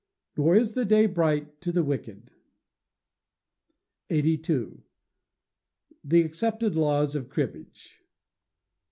[NOR IS DAY BRIGHT TO THE WICKED.] 82. The Accepted Laws of Cribbage.